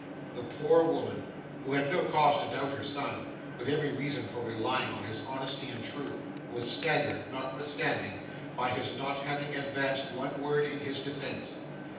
The poor woman, who had no cause to doubt her son, but every reason for relying on his honesty and truth, was staggered, notwithstanding, by his not having advanced one word in his defence.